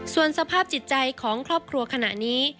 ส่วนสภาพจิตใจของครอบครัวขณะนี้